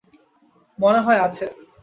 মনে হয় আছে।